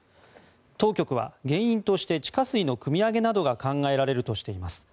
当局は原因として地下水のくみ上げなどが考えられるとしています。